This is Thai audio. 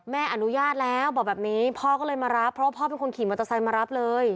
อนุญาตแล้วบอกแบบนี้พ่อก็เลยมารับเพราะว่าพ่อเป็นคนขี่มอเตอร์ไซค์มารับเลย